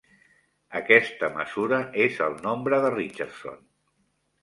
Aquesta mesura és el nombre de Richardson.